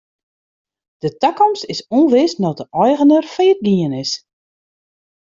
De takomst is ûnwis no't de eigener fallyt gien is.